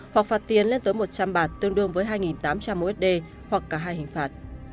hoặc phạt tiền lên tới một trăm linh bạt tương đương với hai tám trăm linh usd hoặc cả hai hình phạt